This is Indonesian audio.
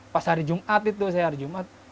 pas hari jumat itu saya hari jumat